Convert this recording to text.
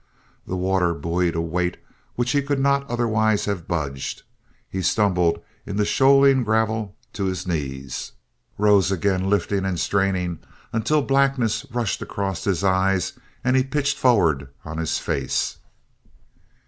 The water buoyed a weight which he could not otherwise have budged; he stumbled in the shoaling gravel to his knees, rose again lifting and straining, until blackness rushed across his eyes; and he pitched forward on his face.